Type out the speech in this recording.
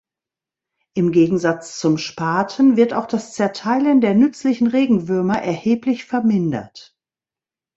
Im Gegensatz zum Spaten wird auch das Zerteilen der nützlichen Regenwürmer erheblich vermindert.